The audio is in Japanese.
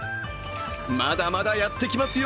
まだまだやってきますよ。